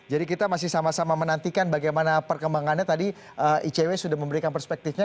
jadi kita masih sama sama menantikan bagaimana perkembangannya tadi icw sudah memberikan perspektifnya